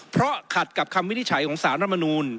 เพราะขัดกับคำวินิจฉัยของสารรัฐมนูล